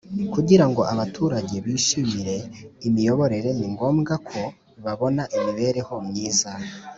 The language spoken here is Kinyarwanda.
Kugira ngo abaturage bishimire imiyoborere ni ngombwa ko babona imibereho myiza